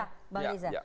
oke baik pak riza